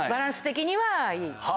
はい。